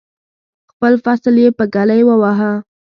خپل فصل یې په ږلۍ وواهه.